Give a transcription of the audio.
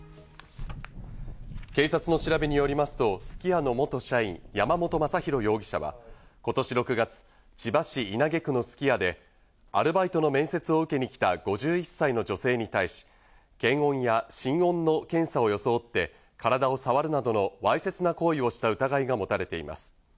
警察の調べによりますと、すき家の元社員・山本将寛容疑者は、今年６月、千葉市稲毛区のすき家でアルバイトの面接を受けに来た５１歳の女性に対し、検温や心音の検査を装って、体を触るなどのわいせつな行為をした疑いが持たれています。